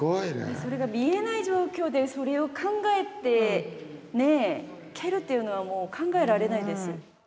それが見えない状況でそれを考えて蹴るっていうのは考えられないです。